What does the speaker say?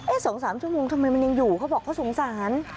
๒๓ชั่วโมงทำไมมันยังอยู่เขาบอกเขาสงสาร